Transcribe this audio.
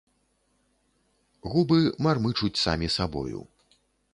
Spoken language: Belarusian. Губы мармычуць самі сабою.